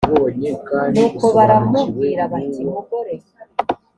nuko baramubwira bati mugore